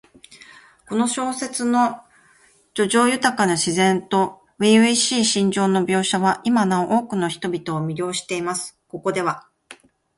この小説の叙情豊かな自然と初々しい心情の描写は、今なお多くの人々を魅了しています。ここでは、